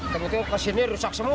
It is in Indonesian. tentu kesini rusak semua